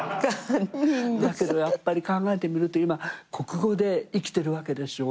だけどやっぱり考えてみると今国語で生きてるわけでしょ。